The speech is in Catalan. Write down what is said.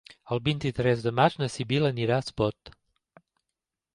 El vint-i-tres de maig na Sibil·la anirà a Espot.